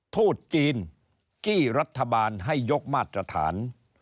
ทูตจีนจี้รัฐบาลให้ยกมาตรฐาน